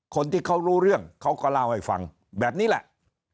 คนที่เขารู้เรื่องเขาก็เล่าให้ฟังแบบนี้แหละ